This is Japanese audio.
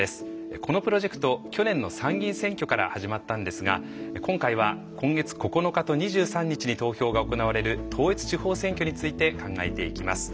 このプロジェクト去年の参議院選挙から始まったんですが今回は今月９日と２３日に投票が行われる統一地方選挙について考えていきます。